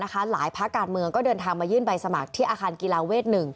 หลายภาคการเมืองก็เดินทางมายื่นใบสมัครที่อาคารกีฬาเวท๑